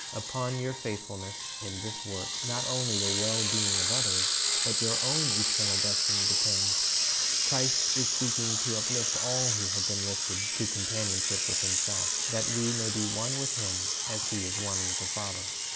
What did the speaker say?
Upon your faithfulness in this work, not only the well being of other.?, but your own eternal destiny depends. Christ is seeking to uplift all who will be lifted to companion ship with Himself, that we may be one with Him as He is one with the Father.